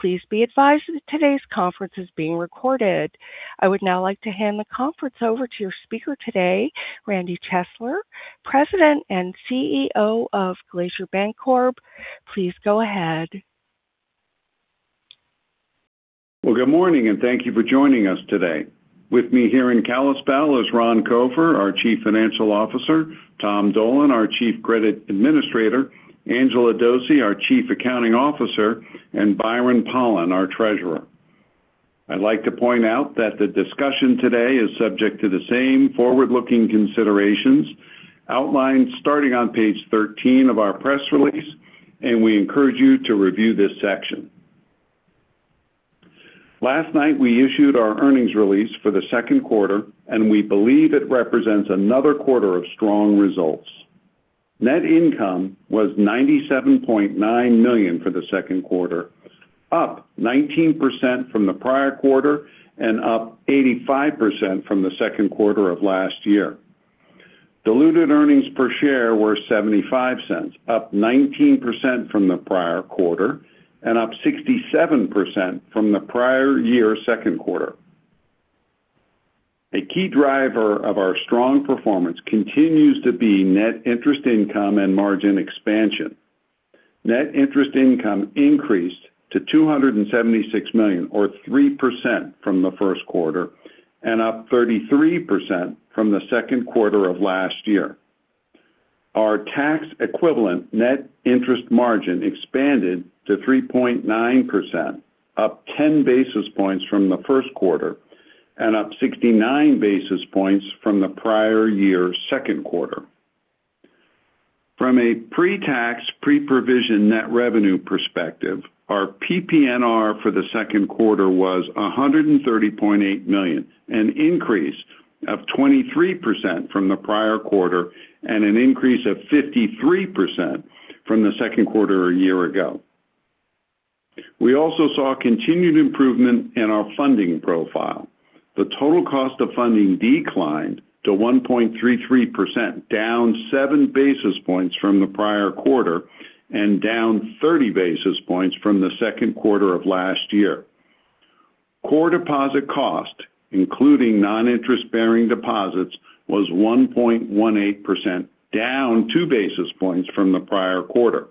Please be advised that today's conference is being recorded. I would now like to hand the conference over to your speaker today, Randy Chesler, President and CEO of Glacier Bancorp. Please go ahead. Well, good morning, and thank you for joining us today. With me here in Kalispell is Ron Copher, our Chief Financial Officer, Tom Dolan, our Chief Credit Administrator, Angela Dose, our Chief Accounting Officer, and Byron Pollan, our Treasurer. I'd like to point out that the discussion today is subject to the same forward-looking considerations outlined starting on page 13 of our press release, and we encourage you to review this section. Last night, we issued our earnings release for the second quarter, and we believe it represents another quarter of strong results. Net income was $97.9 million for the second quarter, up 19% from the prior quarter and up 85% from the second quarter of last year. Diluted earnings per share were $0.75, up 19% from the prior quarter and up 67% from the prior year second quarter. A key driver of our strong performance continues to be net interest income and margin expansion. Net interest income increased to $276 million, or 3% from the first quarter, and up 33% from the second quarter of last year. Our tax-equivalent net interest margin expanded to 3.9%, up 10 basis points from the first quarter and up 69 basis points from the prior year second quarter. From a pre-tax, pre-provision net revenue perspective, our PPNR for the second quarter was $130.8 million, an increase of 23% from the prior quarter and an increase of 53% from the second quarter a year ago. We also saw continued improvement in our funding profile. The total cost of funding declined to 1.33%, down seven basis points from the prior quarter and down 30 basis points from the second quarter of last year. Core deposit cost, including non-interest-bearing deposits, was 1.18%, down two basis points from the prior quarter.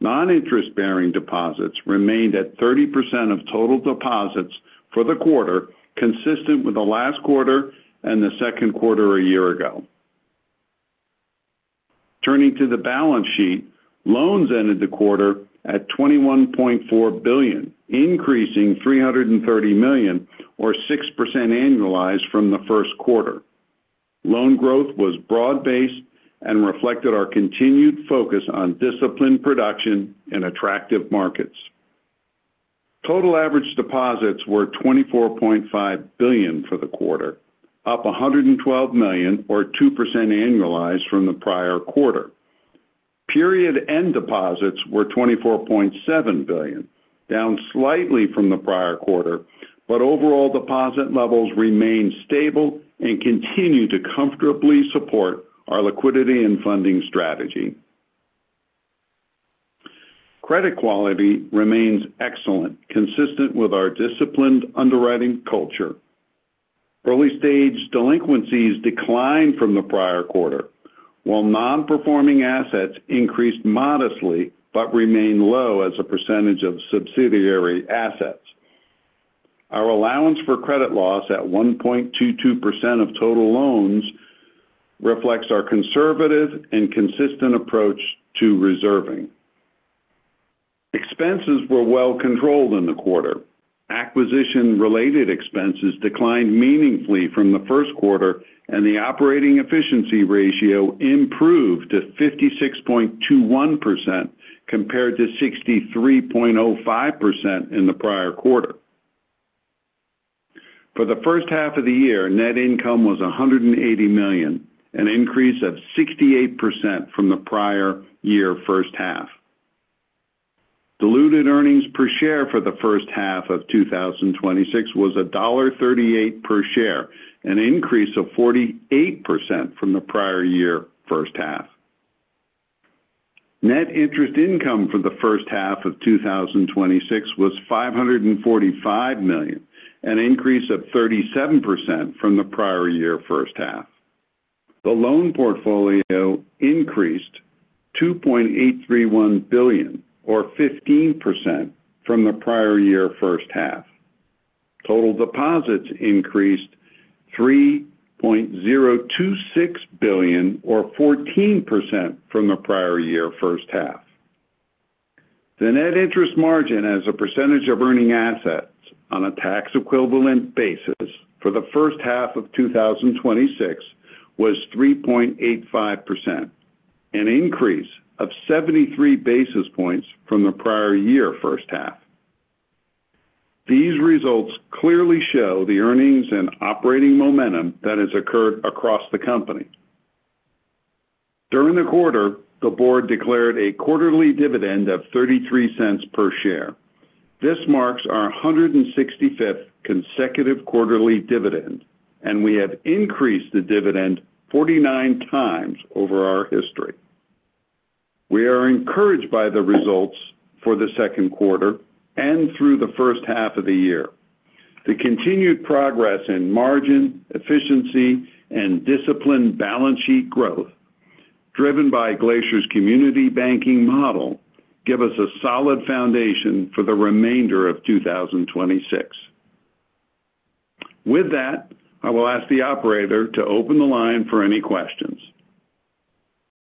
Non-interest-bearing deposits remained at 30% of total deposits for the quarter, consistent with the last quarter and the second quarter a year ago. Turning to the balance sheet, loans ended the quarter at $21.4 billion, increasing $330 million, or 6% annualized from the first quarter. Loan growth was broad-based and reflected our continued focus on disciplined production in attractive markets. Total average deposits were $24.5 billion for the quarter, up $112 million, or 2% annualized from the prior quarter. Period end deposits were $24.7 billion, down slightly from the prior quarter. Overall deposit levels remained stable and continue to comfortably support our liquidity and funding strategy. Credit quality remains excellent, consistent with our disciplined underwriting culture. Early-stage delinquencies declined from the prior quarter, while non-performing assets increased modestly but remain low as a percentage of subsidiary assets. Our allowance for credit loss at 1.22% of total loans reflects our conservative and consistent approach to reserving. Expenses were well controlled in the quarter. Acquisition-related expenses declined meaningfully from the first quarter, and the operating efficiency ratio improved to 56.21%, compared to 63.05% in the prior quarter. For the first half of the year, net income was $180 million, an increase of 68% from the prior year first half. Diluted earnings per share for the first half of 2026 was $1.38 per share, an increase of 48% from the prior year first half. Net interest income for the first half of 2026 was $545 million, an increase of 37% from the prior year first half. The loan portfolio increased $2.831 billion, or 15%, from the prior year first half. Total deposits increased $3.026 billion, or 14%, from the prior year first half. The net interest margin as a percentage of earning assets on a tax-equivalent basis for the first half of 2026 was 3.85%, an increase of 73 basis points from the prior year first half. These results clearly show the earnings and operating momentum that has occurred across the company. During the quarter, the board declared a quarterly dividend of $0.33 per share. This marks our 165th consecutive quarterly dividend, and we have increased the dividend 49 times over our history. We are encouraged by the results for the second quarter and through the first half of the year. The continued progress in margin, efficiency, and disciplined balance sheet growth, driven by Glacier's community banking model, give us a solid foundation for the remainder of 2026. With that, I will ask the operator to open the line for any questions.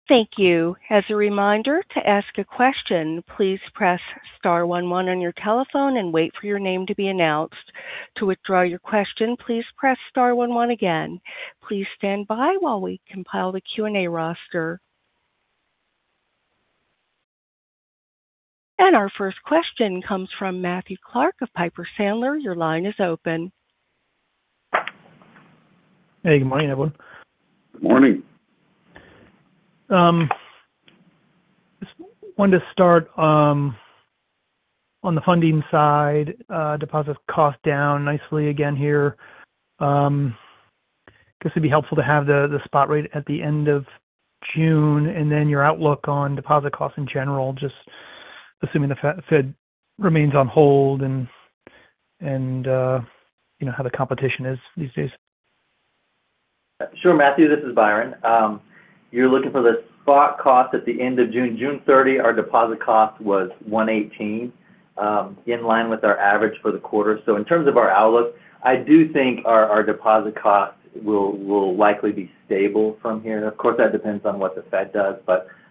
Thank you. As a reminder, to ask a question, please press star one one on your telephone and wait for your name to be announced. To withdraw your question, please press star one one again. Please stand by while we compile the Q&A roster. Our first question comes from Matthew Clark of Piper Sandler. Your line is open. Hey, good morning, everyone. Good morning. Just wanted to start on the funding side. Deposit cost down nicely again here. Guess it'd be helpful to have the spot rate at the end of June and then your outlook on deposit costs in general, just assuming the Fed remains on hold and how the competition is these days? Sure, Matthew, this is Byron. You're looking for the spot cost at the end of June. June 30, our deposit cost was 118, in line with our average for the quarter. In terms of our outlook, I do think our deposit costs will likely be stable from here. Of course, that depends on what the Fed does.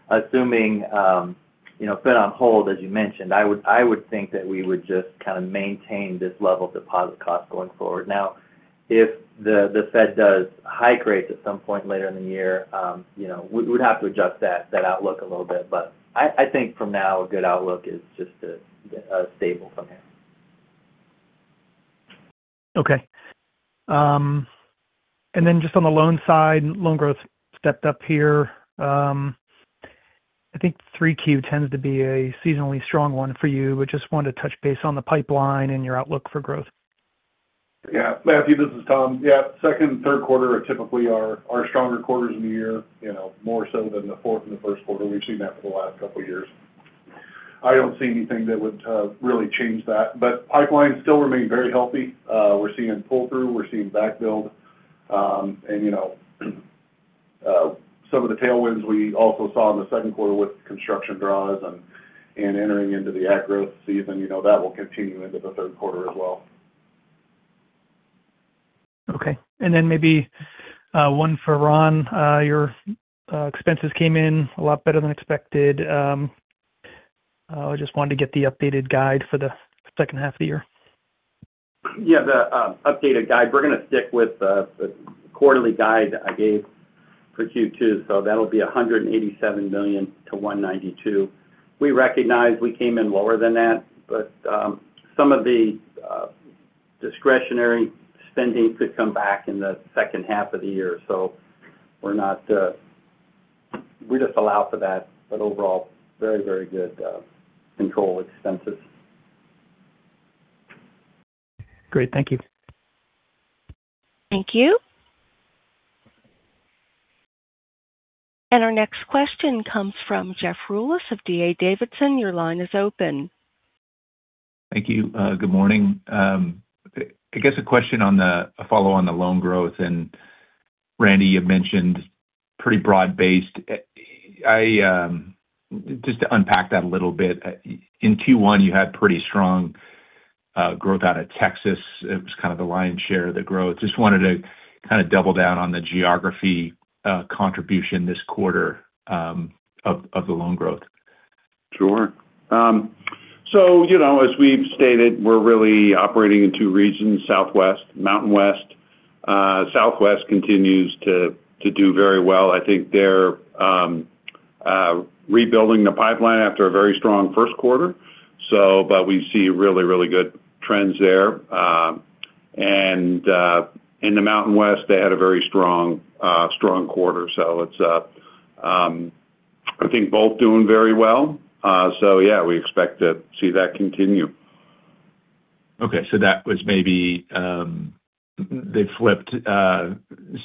Assuming Fed on hold, as you mentioned, I would think that we would just kind of maintain this level of deposit cost going forward. Now, if the Fed does hike rates at some point later in the year, we'd have to adjust that outlook a little bit. I think from now, a good outlook is just stable from here. Just on the loan side, loan growth stepped up here. I think 3Q tends to be a seasonally strong one for you, but just wanted to touch base on the pipeline and your outlook for growth. Matthew, this is Tom. Second and third quarter are typically our stronger quarters in the year, more so than the fourth and the first quarter. We've seen that for the last couple of years. I don't see anything that would really change that. Pipelines still remain very healthy. We're seeing pull-through, we're seeing back build. Some of the tailwinds we also saw in the second quarter with construction draws and entering into the ag growth season, that will continue into the third quarter as well. Maybe one for Ron. Your expenses came in a lot better than expected. I just wanted to get the updated guide for the second half of the year. The updated guide, we're going to stick with the quarterly guide I gave for Q2. That'll be $187 million-$192 million. We recognize we came in lower than that, some of the discretionary spending could come back in the second half of the year. We just allow for that. Overall, very good control expenses. Great. Thank you. Thank you. Our next question comes from Jeff Rulis of D.A. Davidson. Your line is open. Thank you. Good morning. I guess a question on the follow on the loan growth, Randy, you mentioned pretty broad-based. Just to unpack that a little bit, in Q1, you had pretty strong growth out of Texas. It was kind of the lion's share of the growth. Just wanted to kind of double down on the geography contribution this quarter of the loan growth. Sure. As we've stated, we're really operating in two regions, Southwest, Mountain West. Southwest continues to do very well. I think they're rebuilding the pipeline after a very strong first quarter. We see really good trends there. In the Mountain West, they had a very strong quarter. It's, I think, both doing very well. Yeah, we expect to see that continue. Okay, that was maybe they flipped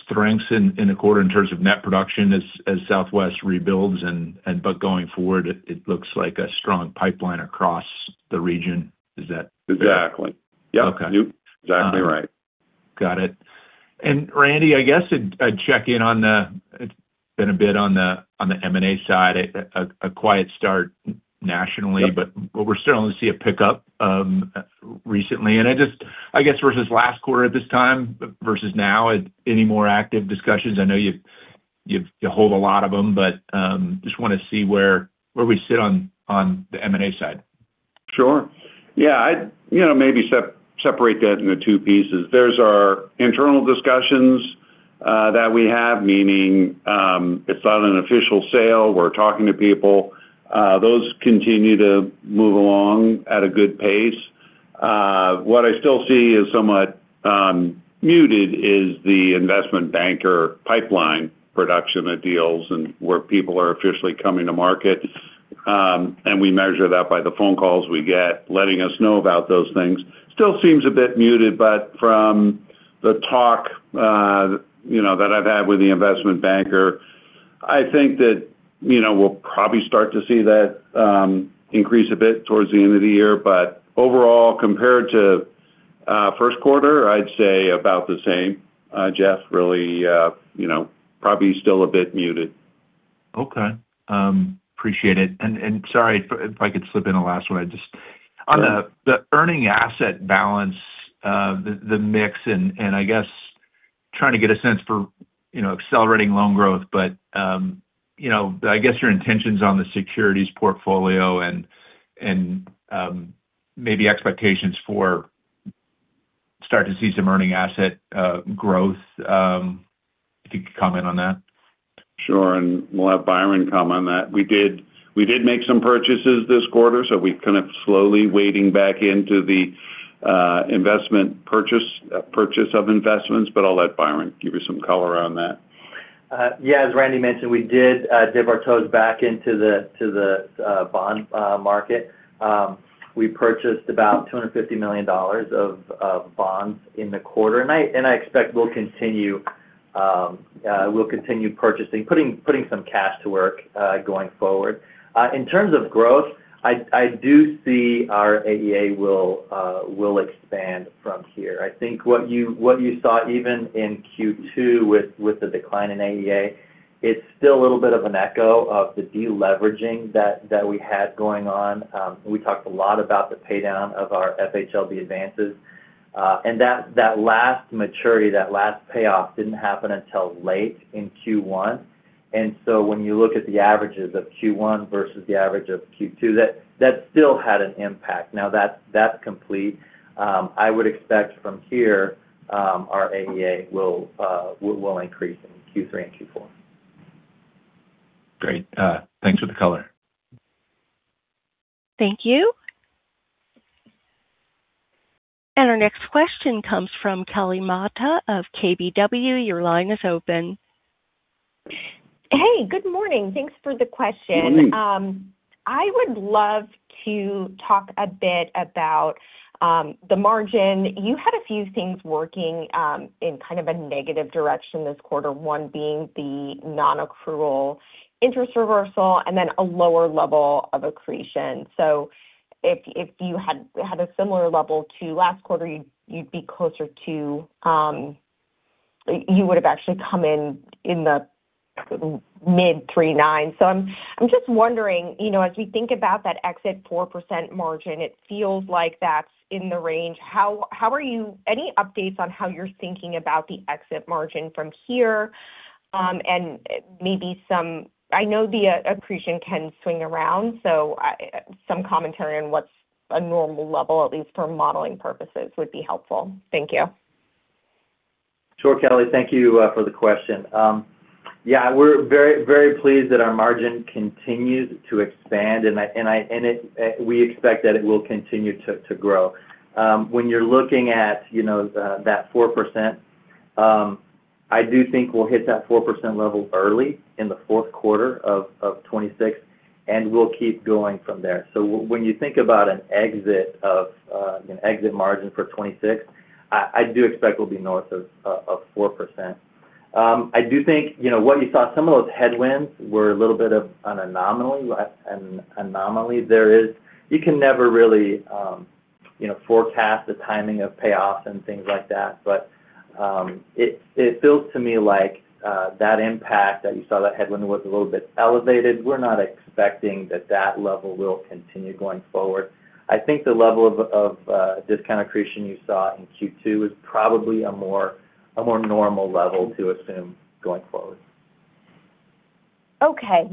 strengths in a quarter in terms of net production as Southwest rebuilds and going forward, it looks like a strong pipeline across the region. Is that- Exactly. Yep. Okay. Yep. Exactly right. Got it. Randy, I guess I'd check in on the- it's been a bit on the M&A side, a quiet start nationally- Yep We're starting to see a pickup recently. I guess versus last quarter at this time versus now, any more active discussions? I know you hold a lot of them, but just want to see where we sit on the M&A side. Sure. Yeah. Maybe separate that into two pieces. There's our internal discussions that we have, meaning it's not an official sale. We're talking to people. Those continue to move along at a good pace. What I still see is somewhat muted is the investment banker pipeline production of deals and where people are officially coming to market. We measure that by the phone calls we get letting us know about those things. Still seems a bit muted, from the talk that I've had with the investment banker, I think that we'll probably start to see that increase a bit towards the end of the year. Overall, compared to first quarter, I'd say about the same, Jeff, really probably still a bit muted. Okay. Appreciate it. Sorry, if I could slip in a last one. Sure. On the earning asset balance, the mix, and I guess trying to get a sense for accelerating loan growth. I guess your intentions on the securities portfolio and maybe expectations for start to see some earning asset growth, if you could comment on that. Sure. We'll have Byron comment on that. We did make some purchases this quarter, so we're kind of slowly wading back into the purchase of investments. I'll let Byron give you some color on that. Yeah, as Randy mentioned, we did dip our toes back into the bond market. We purchased about $250 million of bonds in the quarter. I expect we'll continue purchasing, putting some cash to work, going forward. In terms of growth, I do see our AEA will expand from here. I think what you saw even in Q2 with the decline in AEA, it's still a little bit of an echo of the de-leveraging that we had going on. We talked a lot about the pay-down of our FHLB advances. That last maturity, that last payoff, didn't happen until late in Q1. When you look at the averages of Q1 versus the average of Q2, that still had an impact. Now that's complete. I would expect from here, our AEA will increase in Q3 and Q4. Great. Thanks for the color. Thank you. Our next question comes from Kelly Motta of KBW. Your line is open. Hey, good morning. Thanks for the question. Good morning. I would love to talk a bit about the margin. You had a few things working in kind of a negative direction this quarter, one being the non-accrual interest reversal and then a lower level of accretion. If you had a similar level to last quarter, you would've actually come in the mid three nine. I'm just wondering, as we think about that exit 4% margin, it feels like that's in the range. Any updates on how you're thinking about the exit margin from here? I know the accretion can swing around, so some commentary on what's a normal level, at least for modeling purposes, would be helpful. Thank you. Sure, Kelly. Thank you for the question. Yeah, we're very pleased that our margin continues to expand, and we expect that it will continue to grow. When you're looking at that 4%, I do think we'll hit that 4% level early in the fourth quarter of 2026, and we'll keep going from there. When you think about an exit margin for 2026, I do expect we'll be north of 4%. I do think what you saw, some of those headwinds were a little bit of an anomaly. You can never really forecast the timing of payoffs and things like that. It feels to me like that impact that you saw, that headwind was a little bit elevated. We're not expecting that that level will continue going forward. I think the level of discount accretion you saw in Q2 is probably a more normal level to assume going forward. Okay.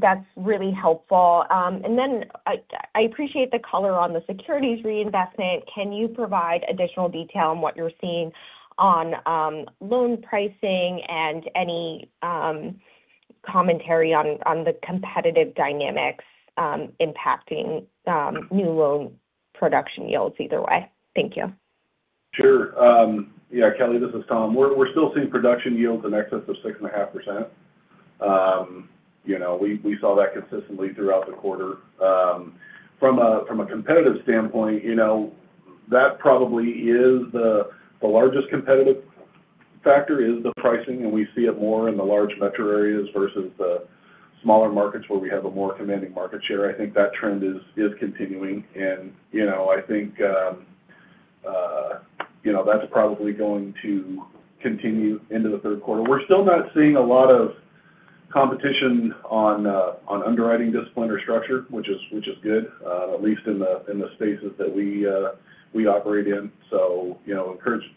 That's really helpful. I appreciate the color on the securities reinvestment. Can you provide additional detail on what you're seeing on loan pricing and any commentary on the competitive dynamics impacting new loan production yields either way? Thank you. Sure. Yeah, Kelly, this is Tom. We're still seeing production yields in excess of 6.5%. We saw that consistently throughout the quarter. From a competitive standpoint, that probably is the largest competitive factor, is the pricing, and we see it more in the large metro areas versus the smaller markets where we have a more commanding market share. I think that trend is continuing, and I think that's probably going to continue into the third quarter. We're still not seeing a lot of competition on underwriting discipline or structure, which is good, at least in the spaces that we operate in.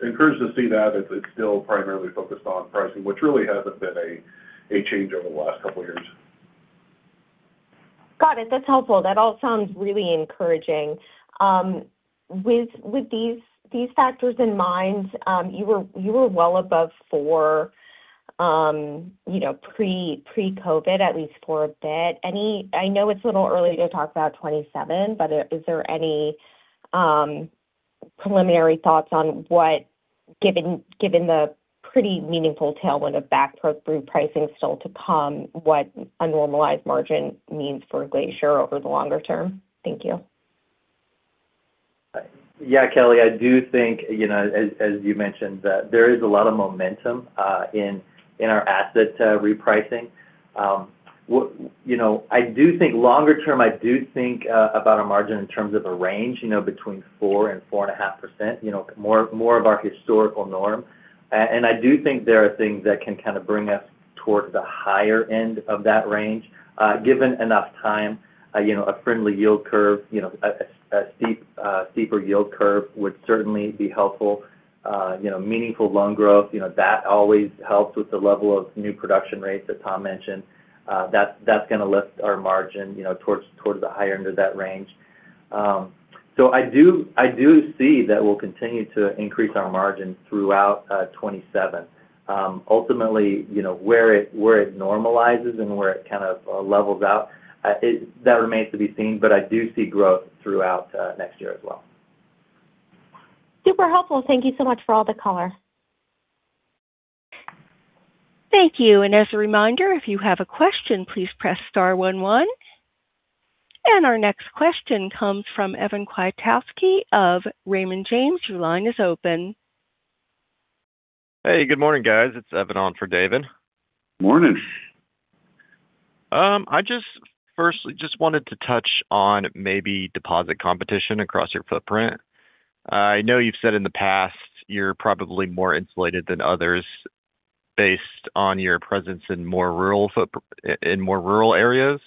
Encouraged to see that. It's still primarily focused on pricing, which really hasn't been a change over the last couple of years. Got it. That's helpful. That all sounds really encouraging. With these factors in mind, you were well above four pre-COVID, at least for a bit. I know it's a little early to talk about 2027, is there any preliminary thoughts on what, given the pretty meaningful tailwind of back book repricing still to come, what a normalized margin means for Glacier over the longer term. Thank you. Yeah, Kelly, I do think, as you mentioned, that there is a lot of momentum in our asset repricing. Longer term, I do think about a margin in terms of a range, between 4% and 4.5%, more of our historical norm. I do think there are things that can bring us towards the higher end of that range. Given enough time, a friendly yield curve, a steeper yield curve would certainly be helpful. Meaningful loan growth, that always helps with the level of new production rates that Tom mentioned. That's going to lift our margin towards the higher end of that range. I do see that we'll continue to increase our margin throughout 2027. Ultimately, where it normalizes and where it kind of levels out, that remains to be seen, but I do see growth throughout next year as well. Super helpful. Thank you so much for all the color. Thank you. As a reminder, if you have a question, please press star one one. Our next question comes from Evan Kwiatkowski of Raymond James. Your line is open. Hey, good morning, guys. It's Evan on for David. Morning. I just firstly just wanted to touch on maybe deposit competition across your footprint. I know you've said in the past you're probably more insulated than others based on your presence in more rural areas,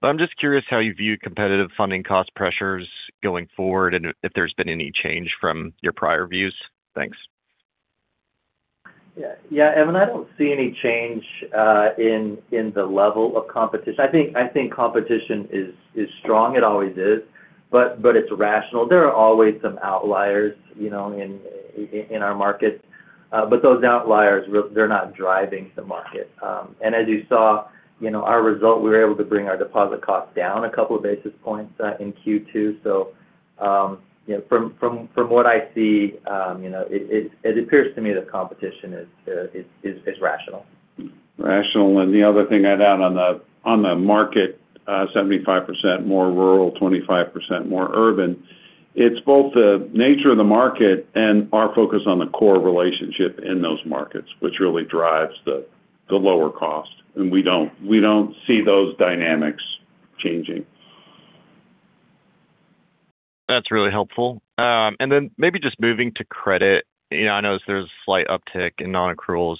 but I'm just curious how you view competitive funding cost pressures going forward and if there's been any change from your prior views. Thanks. Yeah. Evan, I don't see any change in the level of competition. I think competition is strong. It always is. It's rational. There are always some outliers in our markets. Those outliers, they're not driving the market. As you saw our result, we were able to bring our deposit cost down a couple of basis points in Q2. From what I see, it appears to me that competition is rational. Rational. The other thing I'd add on the market, 75% more rural, 25% more urban. It's both the nature of the market and our focus on the core relationship in those markets, which really drives the lower cost. We don't see those dynamics changing. That's really helpful. Maybe just moving to credit. I know there's a slight uptick in non-accruals,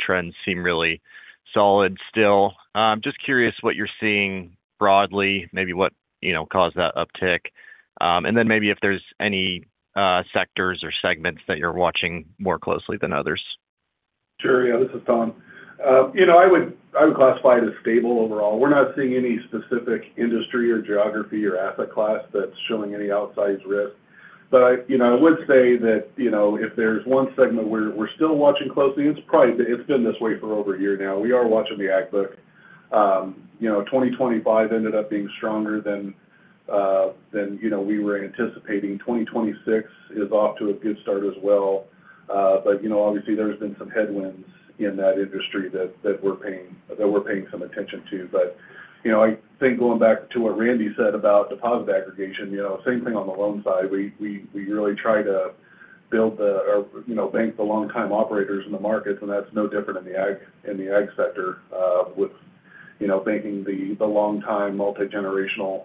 trends seem really solid still. Just curious what you're seeing broadly, maybe what caused that uptick. Maybe if there's any sectors or segments that you're watching more closely than others. Sure. Yeah. This is Tom. I would classify it as stable overall. We're not seeing any specific industry or geography or asset class that's showing any outsized risk. I would say that if there's one segment where we're still watching closely, it's been this way for over a year now. We are watching the ag book. 2025 ended up being stronger than we were anticipating. 2026 is off to a good start as well. Obviously there's been some headwinds in that industry that we're paying some attention to. I think going back to what Randy said about deposit aggregation, same thing on the loan side. We really try to bank the longtime operators in the markets, and that's no different in the ag sector with banking the longtime multigenerational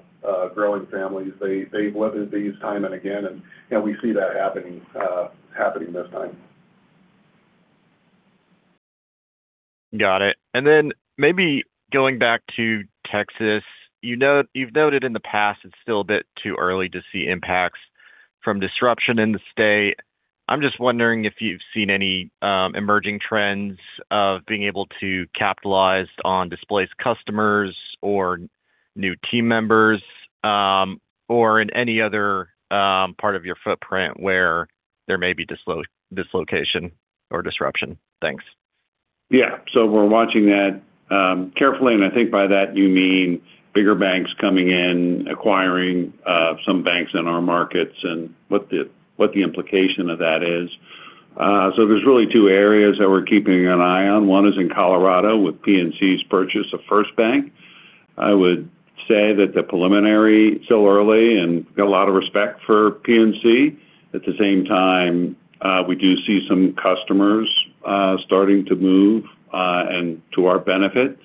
growing families. They've weathered these time and again, and we see that happening this time. Got it. Maybe going back to Texas. You've noted in the past it's still a bit too early to see impacts from disruption in the state. I'm just wondering if you've seen any emerging trends of being able to capitalize on displaced customers or new team members or in any other part of your footprint where there may be dislocation or disruption. Thanks. Yeah. We're watching that carefully. I think by that you mean bigger banks coming in, acquiring some banks in our markets and what the implication of that is. There's really two areas that we're keeping an eye on. One is in Colorado with PNC's purchase of FirstBank. I would say that the preliminary is still early and got a lot of respect for PNC. At the same time, we do see some customers starting to move and to our benefit.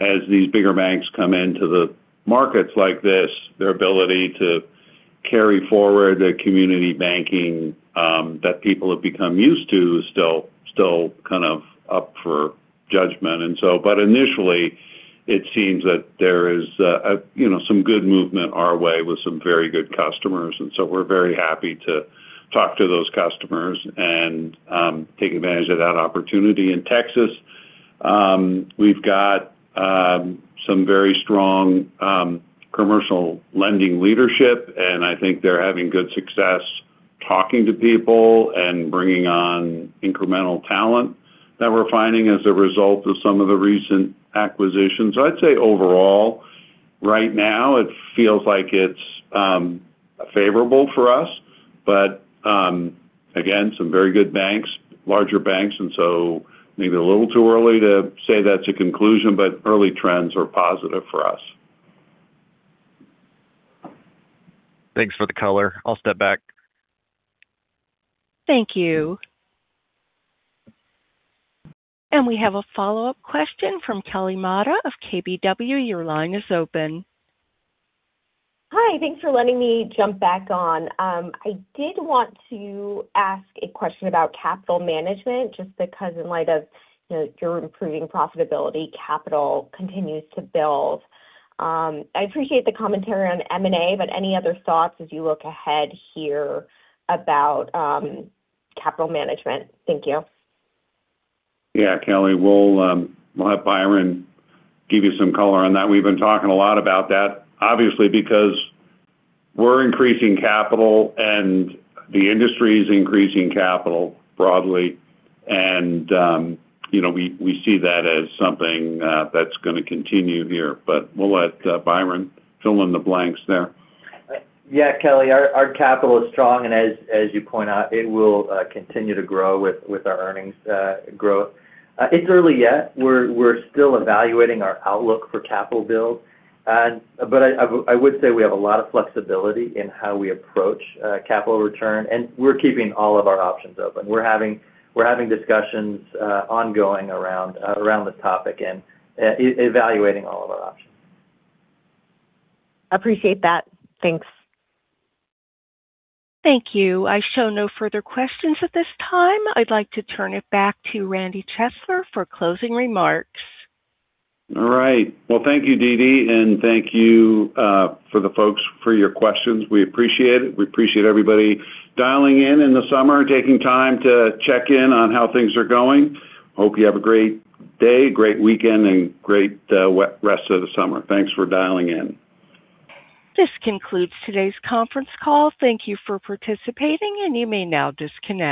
As these bigger banks come into the markets like this, their ability to carry forward a community banking that people have become used to is still kind of up for judgment. Initially, it seems that there is some good movement our way with some very good customers. We're very happy to talk to those customers and take advantage of that opportunity. In Texas, we've got some very strong commercial lending leadership, I think they're having good success Talking to people and bringing on incremental talent that we're finding as a result of some of the recent acquisitions. I'd say overall, right now it feels like it's favorable for us. Again, some very good banks, larger banks, maybe a little too early to say that's a conclusion, early trends are positive for us. Thanks for the color. I'll step back. Thank you. We have a follow-up question from Kelly Motta of KBW. Your line is open. Hi. Thanks for letting me jump back on. I did want to ask a question about capital management, just because in light of your improving profitability, capital continues to build. I appreciate the commentary on M&A, any other thoughts as you look ahead here about capital management? Thank you. Yeah, Kelly, we'll have Byron give you some color on that. We've been talking a lot about that. Obviously because we're increasing capital and the industry is increasing capital broadly, we see that as something that's going to continue here. We'll let Byron fill in the blanks there. Yeah, Kelly, our capital is strong. As you point out, it will continue to grow with our earnings growth. It's early yet. We're still evaluating our outlook for capital build. I would say we have a lot of flexibility in how we approach capital return, and we're keeping all of our options open. We're having discussions ongoing around this topic and evaluating all of our options. Appreciate that. Thanks. Thank you. I show no further questions at this time. I'd like to turn it back to Randall Chesler for closing remarks. All right. Well, thank you, Dee Dee. Thank you for the folks for your questions. We appreciate it. We appreciate everybody dialing in in the summer and taking time to check in on how things are going. Hope you have a great day, great weekend, and great rest of the summer. Thanks for dialing in. This concludes today's conference call. Thank you for participating. You may now disconnect.